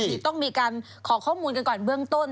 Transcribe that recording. เดี๋ยวต้องมีการขอข้อมูลกันก่อนเบื้องต้น